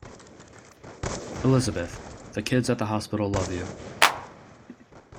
Elizabeth: The kids at the hospital love you.